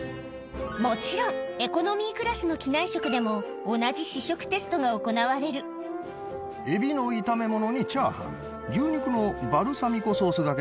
もちろんエコノミークラスの機内食でも同じ試食テストが行われるところでというのも。